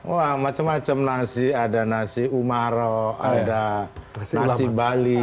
wah macam macam nasi ada nasi umaro ada nasi bali